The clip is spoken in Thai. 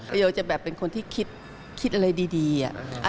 อายโอจะแบบเป็นคนที่คิดคิดอะไรดีอะ